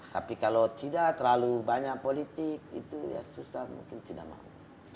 tapi kalau tidak terlalu banyak politik itu ya susah mungkin tidak mau